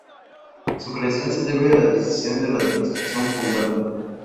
Su creación se debe a la decisión de la Administración fundante.